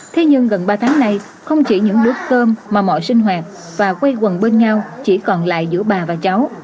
thế nhưng gần ba tháng nay không chỉ những đứa cơm mà mọi sinh hoạt và quây quần bên nhau chỉ còn lại giữa bà và cháu